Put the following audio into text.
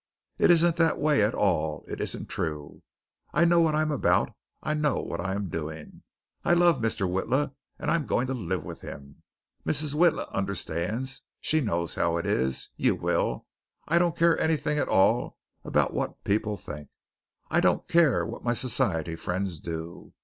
It isn't that way at all. It isn't true. I know what I am about. I know what I am doing. I love Mr. Witla, and I am going to live with him. Mrs. Witla understands. She knows how it is. You will. I don't care anything at all about what people think. I don't care what any society friends do.